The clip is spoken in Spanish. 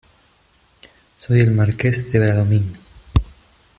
soy el Marqués de Bradomín.